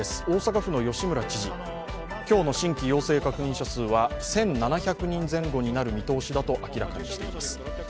大阪府の吉村知事、今日の新規陽性確認者数は１７００人前後になる見通しだと明らかにしています。